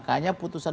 seorang yang beriman